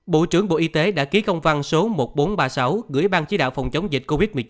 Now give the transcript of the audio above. bộ trưởng bộ y tế đã ký công văn số một nghìn bốn trăm ba mươi sáu gửi ban chỉ đạo phòng chống dịch covid một mươi chín